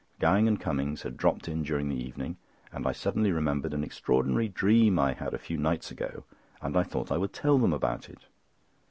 Gowing and Cummings had dropped in during the evening, and I suddenly remembered an extraordinary dream I had a few nights ago, and I thought I would tell them about it.